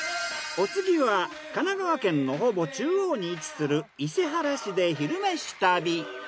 お次は神奈川県のほぼ中央に位置する伊勢原市で「昼めし旅」。